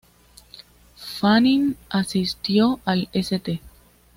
Fanning asistió al St.